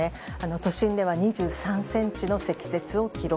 都心では２３ｃｍの積雪を記録。